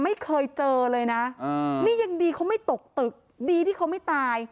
ไม่เคยเจอเลยนะนี่ยังดีเขาไม่ตกตึกดีที่เขาไม่ตาย